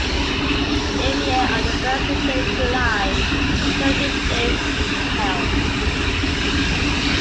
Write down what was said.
Every year on the first weekend in July, "Heritage Days" is held.